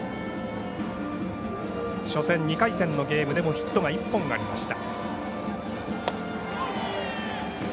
初戦２回戦のゲームでもヒットが１本ありました。